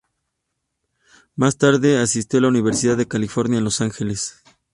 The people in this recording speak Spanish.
Más tarde asistió a la Universidad de California en Los Ángeles.